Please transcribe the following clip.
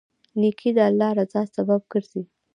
نیکي د الله رضا سبب ګرځي.